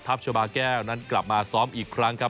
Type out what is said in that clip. ชาบาแก้วนั้นกลับมาซ้อมอีกครั้งครับ